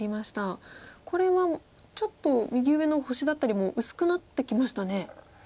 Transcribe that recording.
これはちょっと右上の星だったりも薄くなってきましたね。